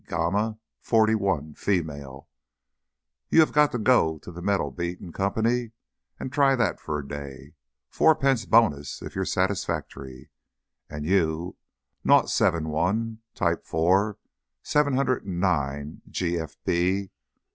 gamma forty one, female; you 'ave to go to the Metal beating Company and try that for a day fourpence bonus if ye're satisfactory; and you, nought seven one, type four, seven hundred and nine, g.f.